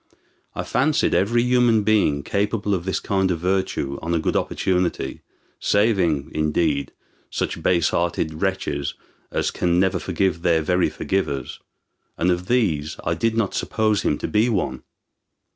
I fancied every human being capable of this kind of virtue on a good opportunity, saving, indeed, such base hearted wretches as can never forgive their very forgivers; and of these I did not suppose him to be one.